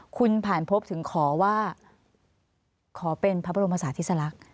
คุณผ่านพบถึงขอว่าขอเป็นพระบรมศาสติสลักษณ์